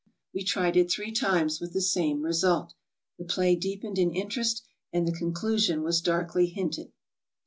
We tried it three times with the same result. The play deepened in interest and the conclusion was darkly hinted.